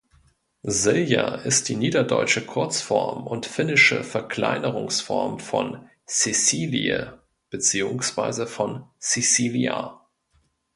Silja ist die niederdeutsche Kurzform und finnische Verkleinerungsform von Cäcilie beziehungsweise von Cäcilia.